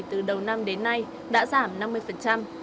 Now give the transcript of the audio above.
từ đầu năm đến nay đã giảm năm mươi